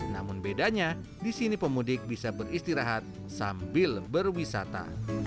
namun bedanya di sini pemudik bisa beristirahat sambil berwisata